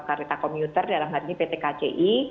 kereta komuter dalam hal ini pt kci